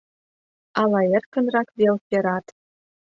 Ала эркынрак вел перат.